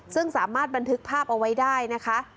ซึ่งสามารถบันทึกภาพเอาไว้ได้นะคะ